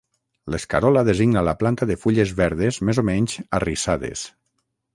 L'escarola designa la planta de fulles verdes més o menys arrissades.